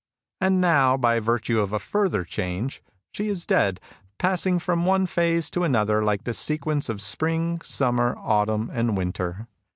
And now, by virtue of a further change, she is dead, passing from one phase to another like the sequence of spring, summer, autumn and winter.